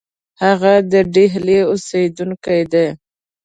هغه د ډهلي اوسېدونکی دی.